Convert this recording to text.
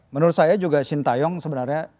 menurut saya juga sintayong sebenarnya